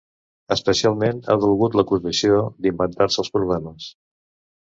Especialment, ha dolgut l’acusació d’inventar-se els problemes.